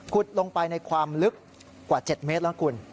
ลงไปในความลึกกว่า๗เมตรแล้วคุณ